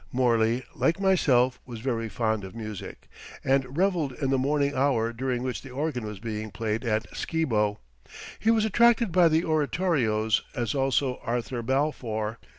Morley, like myself, was very fond of music and reveled in the morning hour during which the organ was being played at Skibo. He was attracted by the oratorios as also Arthur Balfour.